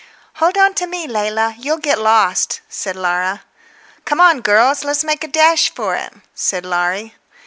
"Hold on to me, Leila; you'll get lost," said Laura. "Come on, girls, let's make a dash for it," said Laurie.